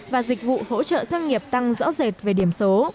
và dịch vụ hỗ trợ doanh nghiệp tăng rõ rệt về điểm số